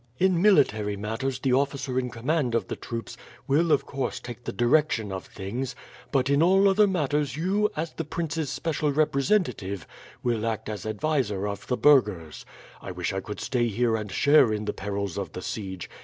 In military matters the officer in command of the troops will of course take the direction of things; but in all other matters you, as the prince's special representative, will act as adviser of the burghers. I wish I could stay here and share in the perils of the siege.